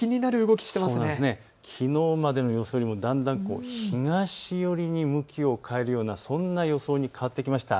きのうまでの予想よりもだんだん東寄りに向きを変えるようなそんな予想に変わってきました。